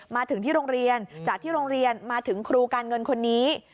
มาถึงที่โรงเรียนจากที่โรงเรียนมาถึงครูการเงินคนนี้